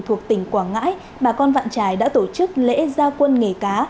thuộc tỉnh quảng ngãi bà con vạn trài đã tổ chức lễ gia quân nghề cá